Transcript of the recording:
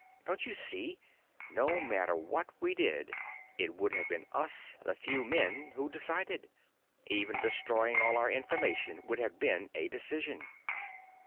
Don't you see, no matter what we did it would have been us, the few men, who decided? Even destroying all our information would have been a decision."